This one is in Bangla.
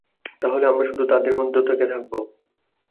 তাহলে আমরা শুধু তাদের মধ্য থাকবো?